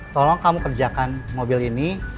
tolong kamu kerjakan mobil ini